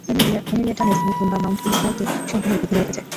Henrietta Nesmith হিমবাহ mount উইসলারকে সম্পূর্ণরূপে ঘিরে রেখেছে।